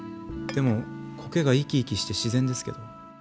でも苔が生き生きして自然ですけど。